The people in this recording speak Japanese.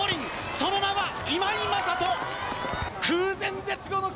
その名は今井正人。